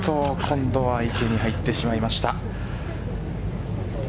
今度は池に入ってしまいました。